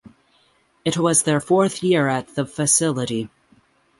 It was their fourth year at the facility.